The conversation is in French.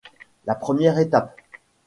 La première étape?